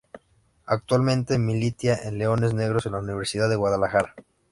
Actualmente milita en Leones Negros de la Universidad de Guadalajara.